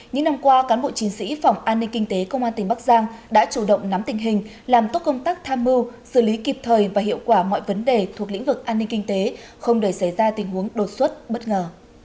những năm qua cán bộ chiến sĩ phòng an ninh kinh tế công an tỉnh bắc giang đã chủ động nắm tình hình làm tốt công tác tham mưu xử lý kịp thời và hiệu quả mọi vấn đề thuộc lĩnh vực an ninh kinh tế không để xảy ra tình huống đột xuất bất ngờ